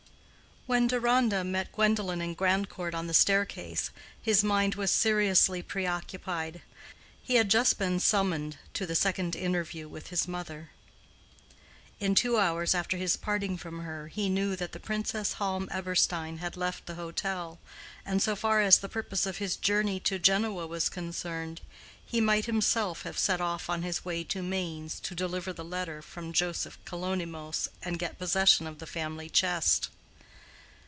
When Deronda met Gwendolen and Grandcourt on the staircase, his mind was seriously preoccupied. He had just been summoned to the second interview with his mother. In two hours after his parting from her he knew that the Princess Halm Eberstein had left the hotel, and so far as the purpose of his journey to Genoa was concerned, he might himself have set off on his way to Mainz, to deliver the letter from Joseph Kalonymos, and get possession of the family chest.